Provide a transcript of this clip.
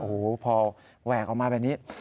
โอ้โหพอแหวกออกมาแบบนี้